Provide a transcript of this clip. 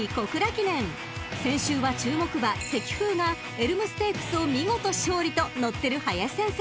［先週は注目馬セキフウがエルムステークスを見事勝利と乗ってる林先生